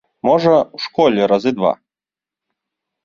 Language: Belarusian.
Можа, у школе разы два.